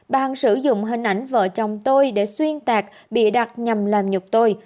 bà hằng sử dụng hình ảnh vợ chồng tôi để xuyên tạc bịa đặt nhằm làm nhục tôi